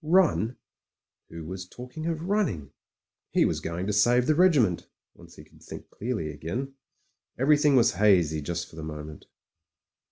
Run! Who was talking of running? He was go ing to save the regiment — once he could think clearly again. Everything was hazy just for the moment.